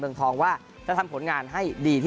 สมุทรสอนยังแข็งแรง